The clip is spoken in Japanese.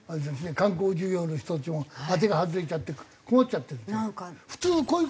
観光事業の人たちも当てが外れちゃって困っちゃってるっていう。